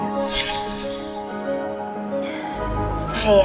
mungkin aura gak bakal mau terima aku sebagai keluarganya